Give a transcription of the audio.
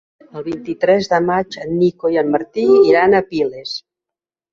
El vint-i-tres de maig en Nico i en Martí iran a Piles.